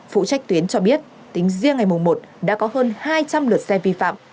phụ trách tuyến cho biết tính riêng ngày một đã có hơn hai trăm linh lượt xe vi phạm